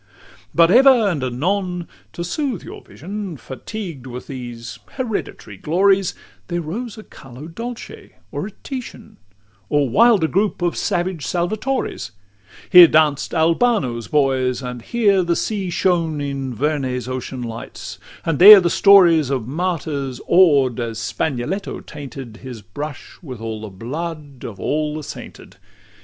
LXXI But ever and anon, to soothe your vision, Fatigued with these hereditary glories, There rose a Carlo Dolce or a Titian, Or wilder group of savage Salvatore's; Here danced Albano's boys, and here the sea shone In Vernet's ocean lights; and there the stories Of martyrs awed, as Spagnoletto tainted His brush with all the blood of all the sainted.